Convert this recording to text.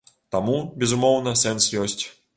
Таму, безумоўна, сэнс ёсць.